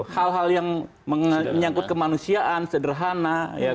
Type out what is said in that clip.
hal hal yang menyangkut kemanusiaan sederhana